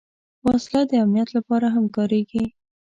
وسله د امنیت لپاره هم کارېږي